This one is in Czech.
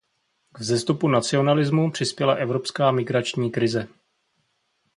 K vzestupu nacionalismu přispěla evropská migrační krize.